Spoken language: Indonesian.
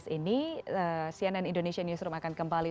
ini cnn indonesia newsroom akan kembali